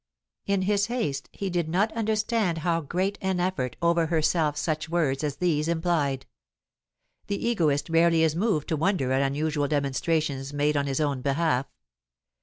In his haste, he did not understand how great an effort over herself such words as these implied. The egoist rarely is moved to wonder at unusual demonstrations made on his own behalf.